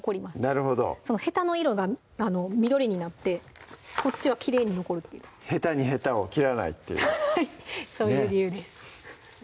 なるほどそのへたの色が緑になってこっちはきれいに残るという「へたにへたを切らない」っていうそういう理由です